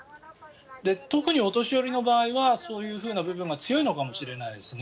特にお年寄りの場合はそういう部分が強いのかもしれないですね。